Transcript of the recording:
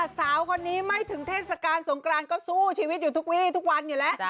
สาวคนนี้ไม่ถึงเทศกาลสงกรานก็สู้ชีวิตอยู่ทุกวีทุกวันอยู่แล้ว